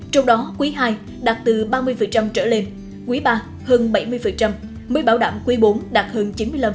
trong đó quý ii đạt từ ba mươi trở lên quý ba hơn bảy mươi mới bảo đảm quý bốn đạt hơn chín mươi năm